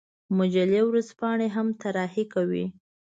مجلې او ورځپاڼې هم طراحي کوي.